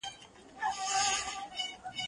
زه به سبا سپينکۍ پرېولم وم